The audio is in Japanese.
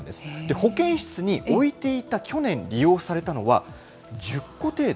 保健室に置いていた去年、利用されたのは、１０個程度。